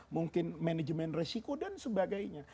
mungkin manajemen resiko dan sebagainya